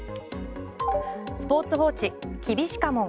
スポーツ報知、きびしかモン